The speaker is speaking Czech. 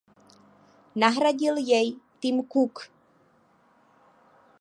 Nahradil jej Tim Cook.